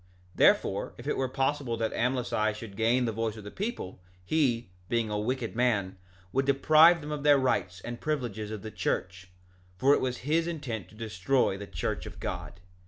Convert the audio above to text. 2:4 Therefore, if it were possible that Amlici should gain the voice of the people, he, being a wicked man, would deprive them of their rights and privileges of the church; for it was his intent to destroy the church of God.